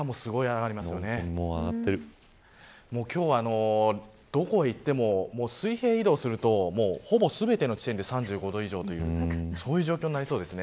今日はどこへ行っても水平移動するとほぼ全ての地点で３５度以上という状況になりそうです。